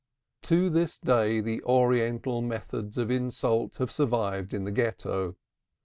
To this day the oriental methods of insult have survived in the Ghetto.